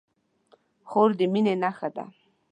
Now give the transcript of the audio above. خور د مینې نښه ده.